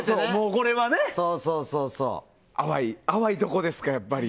これは淡いところですから、やっぱり。